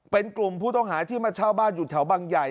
เป็นกลุ่มผู้ต้องหาที่มาเช่าบ้านอยู่แถวบังใหญ่